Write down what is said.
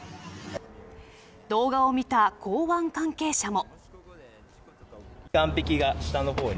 動画を見た港湾関係者も。